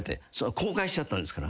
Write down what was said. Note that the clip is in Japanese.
公開しちゃったんですから。